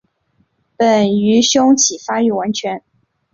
本鱼胸鳍发育完全。